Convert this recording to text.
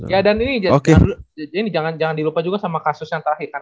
ya dan ini jangan dilupa juga sama kasus yang terakhir kan